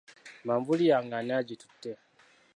Manvuuli yange ani agitutte?